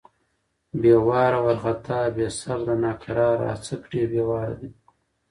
بې واره، وارختا= بې صبره، ناقراره. اڅک ډېر بې واره دی.